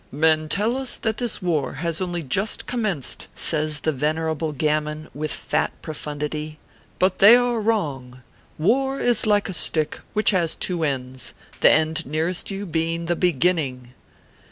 "Men tell us that this war has only just com menced/ says the Venerable Gammon with fat pro fundity, " but they are wrong. War is like a stick, which has two ends the end nearest you being the BEGINNING."